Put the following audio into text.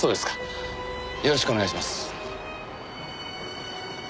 よろしくお願いします。